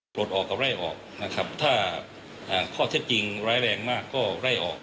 ออกกับไล่ออกนะครับถ้าข้อเท็จจริงร้ายแรงมากก็ไล่ออก